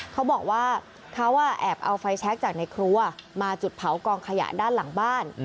เขาบอกว่าเขาแอบเอาไฟแชคจากในครัวมาจุดเผากองขยะด้านหลังบ้าน